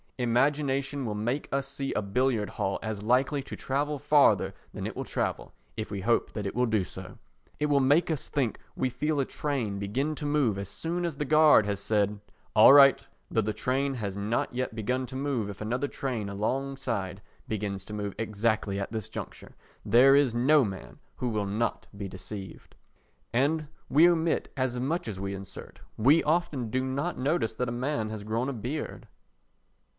Imagination will make us see a billiard hall as likely to travel farther than it will travel, if we hope that it will do so. It will make us think we feel a train begin to move as soon as the guard has said "All right," though the train has not yet begun to move if another train alongside begins to move exactly at this juncture, there is no man who will not be deceived. And we omit as much as we insert. We often do not notice that a man has grown a beard.